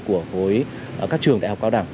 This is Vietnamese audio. của các trường đại học cao đẳng